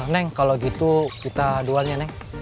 neng kalau gitu kita jualnya neng